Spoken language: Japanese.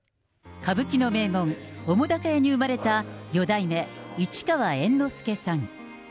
歌舞伎の名門、澤瀉屋に生まれた四代目市川猿之助さん。